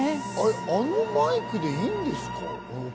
あのマイクでいいですか？